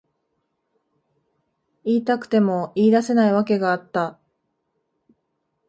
言いたくても言い出せない訳があった。